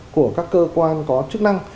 của các cơ quan có chức năng